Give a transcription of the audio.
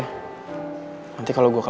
yang sudah ada yang punya